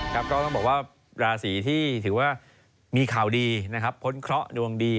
ก็ต้องบอกว่าราศีที่ถือว่ามีข่าวดีนะครับพ้นเคราะห์ดวงดี